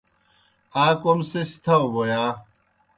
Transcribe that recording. آ کوْم سہ سیْ تھاؤ بوْ یا؟